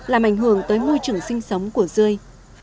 làm ảnh hưởng tới môi trường sinh sống của rươi